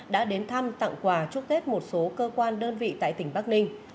đã đến thăm tặng quà chúc tết một số cơ quan đơn vị tại tỉnh bắc ninh